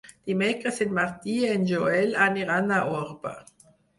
Dimecres en Martí i en Joel aniran a Orba.